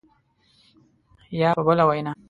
یا په بله وینا